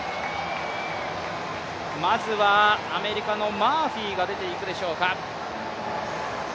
まずはアメリカのマーフィーが出ていくでしょうか。